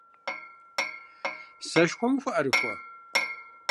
Сэшхуэм ухуэӀэрыхуэ?